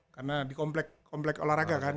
karena di komplek komplek olahraga kan